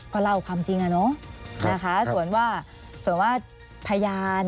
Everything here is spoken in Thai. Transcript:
ก็เล่าความจริงอะเนาะนะคะส่วนว่าส่วนว่าพยาน